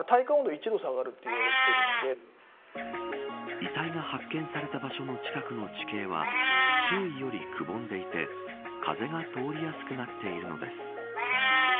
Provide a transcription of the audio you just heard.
遺体が発見された場所の近くの地形は周囲よりくぼんでいて風が通りやすくなっているのです。